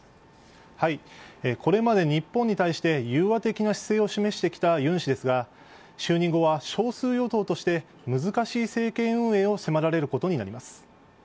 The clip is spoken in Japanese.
これまで日本に対して融和的な姿勢を示してきたユン氏ですが就任後は少数与党として難しい政権運営を迫られることになります。